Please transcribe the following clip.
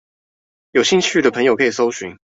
有興趣的朋友可以蒐尋